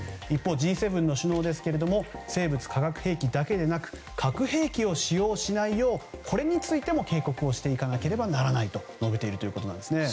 一方、Ｇ７の首脳は生物・化学兵器だけでなく核兵器を使用しないようこれについても警告をしていかなければならないと述べているということです。